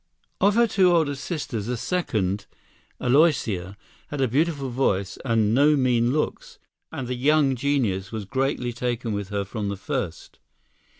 ] Of her two older sisters the second, Aloysia, had a beautiful voice and no mean looks, and the young genius was greatly taken with her from the first.